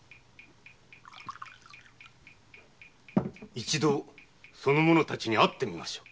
一度その者たちに会ってみましょう。